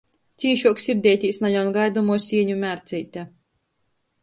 Cīšuok sirdeitīs naļaun gaidomuo sieņu mērceite.